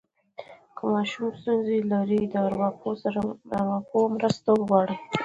که ماشوم ستونزه لري، د ارواپوه مرسته وغواړئ.